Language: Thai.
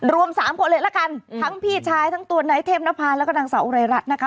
รวมสามคนเลยละกันทั้งพี่ชายทั้งตัวนายเทพนภาแล้วก็นางสาวอุไรรัฐนะคะ